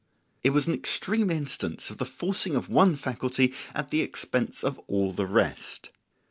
It was an extreme instance of the forcing of one faculty at the expense of all the rest.